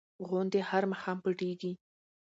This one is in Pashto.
غوندې هر ماښام پټېږي.